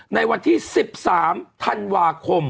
ในวันที่๑๓ธันวาคม